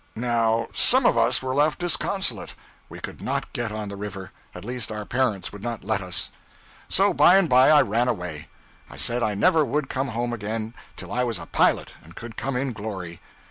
Now some of us were left disconsolate. We could not get on the river at least our parents would not let us. So by and by I ran away. I said I never would come home again till I was a pilot and could come in glory.